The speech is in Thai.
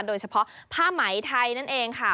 โดยเฉพาะผ้าไหมไทยนั่นเองค่ะ